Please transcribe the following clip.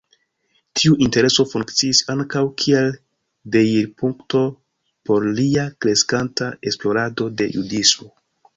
Tiu intereso funkciis ankaŭ kiel deirpunkto por lia kreskanta esplorado de judismo.